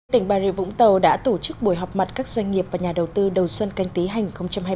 tỉnh bà rịa vũng tàu đã tổ chức buổi họp mặt các doanh nghiệp và nhà đầu tư đầu xuân canh tí hành hai mươi